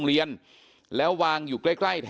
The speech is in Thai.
เป็นมีดปลายแหลมยาวประมาณ๑ฟุตนะฮะที่ใช้ก่อเหตุ